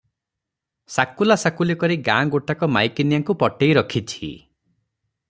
ସାକୁଲା ସାକୁଲି କରି ଗାଁ ଗୋଟାକ ମାଇକିନିଆଙ୍କୁ ପଟେଇରଖିଛି ।